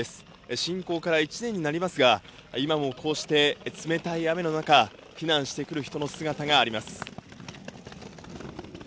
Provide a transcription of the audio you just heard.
侵攻から１年になりますが、今もこうして冷たい雨の中、避難してくる人の姿があります。